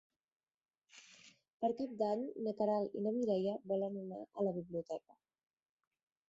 Per Cap d'Any na Queralt i na Mireia volen anar a la biblioteca.